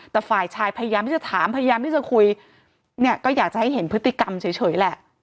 แต่ฝ่ายชายพยายามที่จะถามพยายามที่จะคุยเนี่ยก็อยากจะให้เห็นพฤติกรรมเฉยแหละ